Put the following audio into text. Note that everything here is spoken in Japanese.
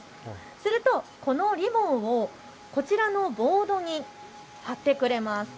するとこのリボンをこちらのボードに貼ってくれます。